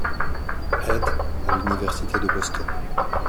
Ed. à l'université de Boston.